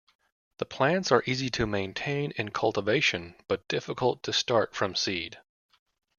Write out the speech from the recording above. The plants are easy to maintain in cultivation but difficult to start from seed.